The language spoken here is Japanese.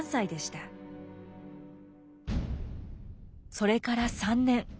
それから３年。